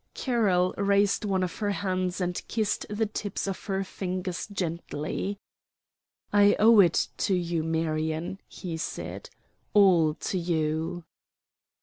Carroll raised one of her hands and kissed the tips of her fingers gently. "I owe it to you, Marion," he said "all to you."